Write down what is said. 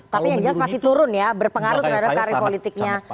tapi yang jelas masih turun ya berpengaruh terhadap karir politiknya